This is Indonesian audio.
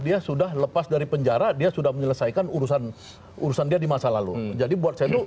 dia sudah lepas dari penjara dia sudah menyelesaikan urusan urusan dia di masa lalu jadi buat saya itu